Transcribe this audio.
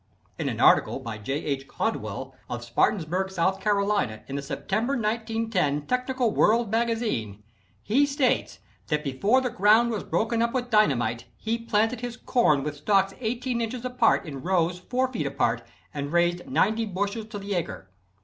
In an article by J. H. Caldwell, of Spartanburg, S. C., in the September, 1910, Technical World Magazine, he states that before the ground was broken up with dynamite, he planted his corn with stalks 18 inches apart in rows 4 feet apart and raised 90 bushels to the acre.